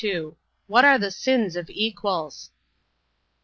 What are the sins of equals?